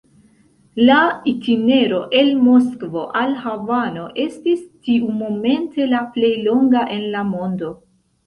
La itinero el Moskvo al Havano estis tiumomente la plej longa en la mondo.